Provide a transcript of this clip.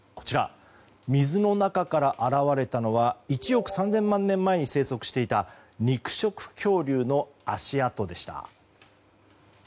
水の中から現れたのは１億３０００万年前に生息していた肉食恐竜の足跡でした。